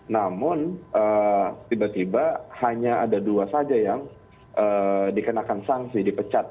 namun tiba tiba hanya ada dua saja yang dikenakan sanksi dipecat